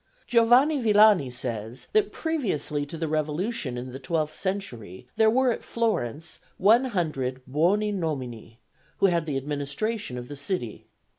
Giovanni Villani says, that previously to the revolution in the twelfth century there were at Florence one hundred buoni nomini, who had the administration of the city.